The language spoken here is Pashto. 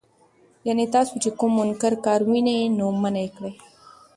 يعني تاسو چې کوم منکر کار ووينئ، نو منعه يې کړئ.